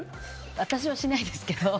私はしないですけど。